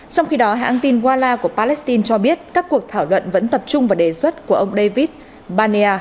trong khi đó hãng tin walla của palestine cho biết các cuộc thảo luận vẫn tập trung vào đề xuất của ông david banea